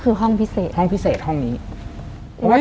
คุณลุงกับคุณป้าสองคนนี้เป็นใคร